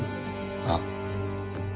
あっ。